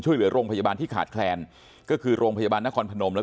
ช่วยเหลือโรงพยาบาลที่ขาดแคลนก็คือโรงพยาบาลนครพนมและ